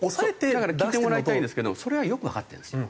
だから聞いてもらいたいんですけどそれはよくわかってるんですよ。